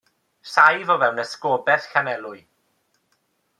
Saif o fewn esgobaeth Llanelwy.